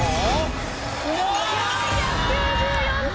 ４９４点。